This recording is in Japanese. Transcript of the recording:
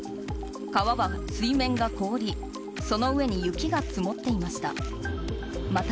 川は水面が凍りその上に雪が積もっていました。